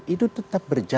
itu tetap berjalan